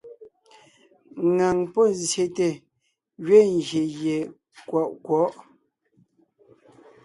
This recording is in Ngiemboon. Ŋaŋ pɔ́ zsyète gẅiin gyè gie kwɔʼ kwɔ̌'.